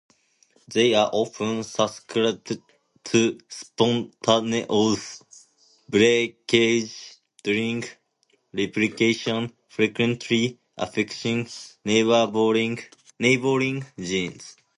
They are often susceptible to spontaneous breakage during replication, frequently affecting neighboring genes.